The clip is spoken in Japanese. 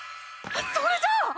それじゃあ！